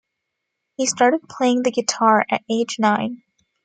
He started playing the guitar at age nine.